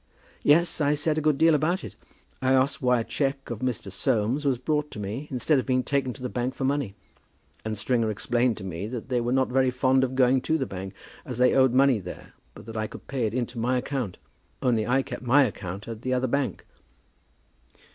"Yes, I said a good deal about it. I asked why a cheque of Mr. Soames's was brought to me, instead of being taken to the bank for money; and Stringer explained to me that they were not very fond of going to the bank, as they owed money there, but that I could pay it into my account. Only I kept my account at the other bank."